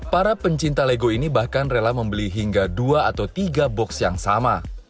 para pencinta lego ini bahkan rela membeli hingga dua atau tiga box yang sama